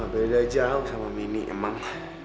beda aja aus sama mini emang